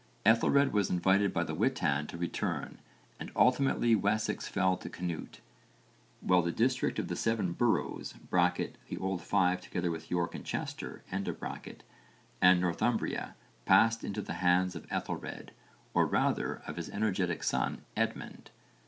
Ethelred was invited by the witan to return, and ultimately Wessex fell to Cnut, while the district of the Seven Boroughs (the old five together with York and Chester) and Northumbria passed into the hands of Ethelred, or rather of his energetic son Edmund.